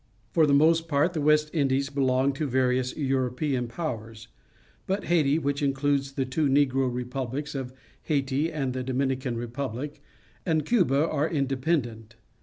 For the most part the West Indies belong to various European powers, but Haiti, which includes the two Negro republics of Haiti and the Dominican Republic, and Cuba are inde pendent.